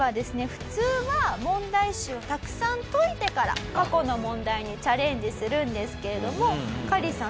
普通は問題集をたくさん解いてから過去の問題にチャレンジするんですけれどもカリスさん